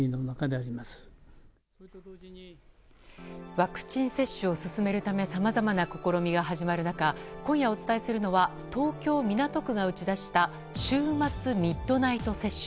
ワクチン接種を進めるためさまざまな試みが始まる中、今夜お伝えするのは東京・港区が打ち出した週末ミッドナイト接種。